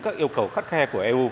các yêu cầu khắt khe của eu